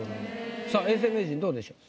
さあ永世名人どうでしょう？